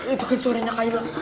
itu kan suaranya kaila